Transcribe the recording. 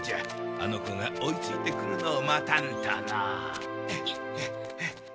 あの子が追いついてくるのを待たんとの。